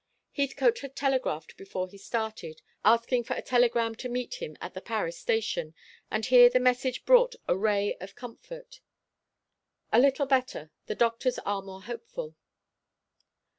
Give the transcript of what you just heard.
Heathcote had telegraphed before he started, asking for a telegram to meet him at the Paris station, and here the message brought a ray of comfort. "A little better. The doctors are more hopeful."